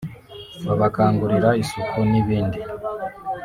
babakangurira isuku n’ibindi